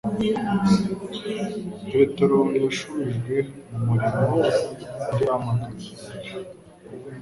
Petero yashubijwe mu murimo yari yahamagariwe mbere,